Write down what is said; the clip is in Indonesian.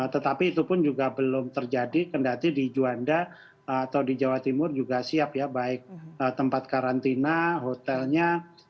tetapi itu pun juga belum terjadi kendati di juanda atau di jawa timur juga siap ya baik tempat karantina hotelnya